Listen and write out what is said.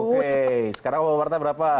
oke sekarang umar marta berapa